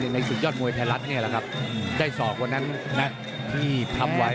ในสุดยอดมวยไทยรัฐเนี่ยแหละครับได้สองคนนั้นที่ทำไว้